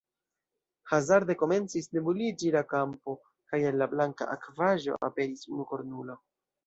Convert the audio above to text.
Hazarde, komencis nebuliĝi la kampo, kaj el la blanka akvaĵo aperis unukornulo!